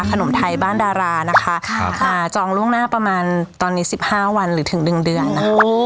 ขนมไทยบ้านดารานะคะครับจองล่วงหน้าประมาณตอนนี้สิบห้าวันหรือถึงหนึ่งเดือนอะ